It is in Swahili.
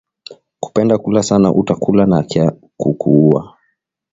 Kupenda kula sana uta kula na kya kukuuwa